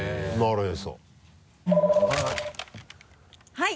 はい。